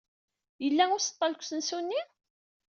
Yella useḍḍal deg usensu-nni?